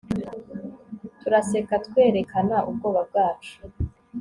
turaseka, twerekana ubwoba bwacu